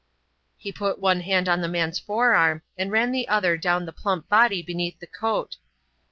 He put one hand on the man's forearm and ran the other down the plump body beneath the coat.